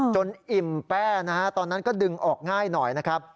อิ่มแป้นะฮะตอนนั้นก็ดึงออกง่ายหน่อยนะครับ